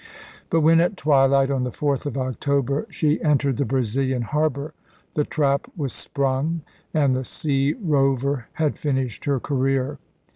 But when at twilight on the 4th of October she entered the Brazilian harbor, the trap was sprung and the sea rover had finished her career.